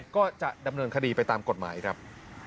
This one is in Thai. ขอบคุณครับ